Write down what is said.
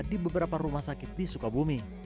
di beberapa rumah sakit di sukabumi